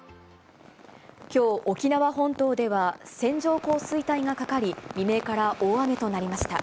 きょう、沖縄本島では、線状降水帯がかかり、未明から大雨となりました。